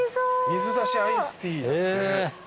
水出しアイスティだって。